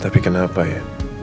tapi kenapa ya